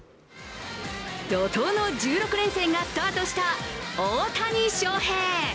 怒とうの１６連戦がスタートした大谷翔平。